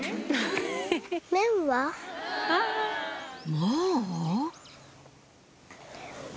もう？